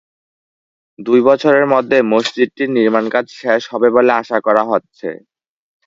দুই বছরের মধ্যে মসজিদটির নির্মাণকাজ শেষ হবে বলে আশা করা হচ্ছে।